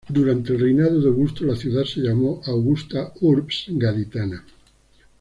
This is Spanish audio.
Durante el reinado de Augusto, la ciudad se llamó "Augusta Urbs Gaditana".